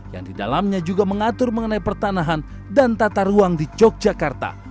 yang didalamnya juga mengatur mengenai pertanahan dan tata ruang di yogyakarta